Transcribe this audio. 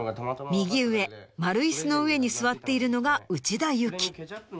右上丸イスの上に座っているのが内田有紀。